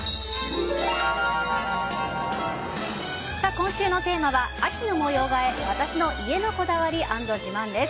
今週のテーマは秋の模様替え私の家のこだわり＆自慢です。